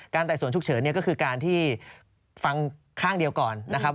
ไต่สวนฉุกเฉินเนี่ยก็คือการที่ฟังข้างเดียวก่อนนะครับ